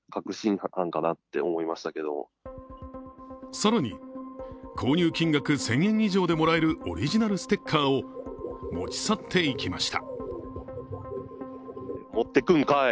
更に、購入金額１０００円以上でもらえるオリジナルステッカーを持ち去っていきました。